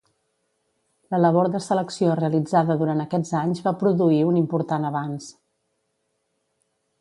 La labor de selecció realitzada durant aquests anys va produir un important avanç.